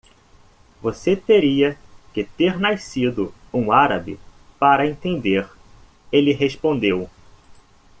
"Você teria que ter nascido um árabe para entender?" ele respondeu.